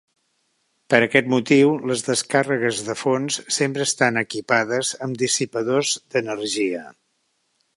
Per aquest motiu les descàrregues de fons sempre estan equipades amb dissipadors d'energia.